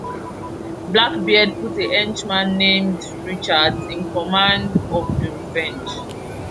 Blackbeard put a henchman named Richards in command of the "Revenge".